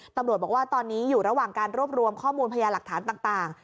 ตำรวจบอกว่าตอนนี้อยู่ระหว่างการรวบรวมข้อมูลพยาหลักฐานต่าง